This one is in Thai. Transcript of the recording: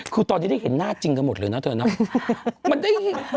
คือตอนนี้ได้เห็นหน้าจริงกันหมดเลยนะเธอเนาะ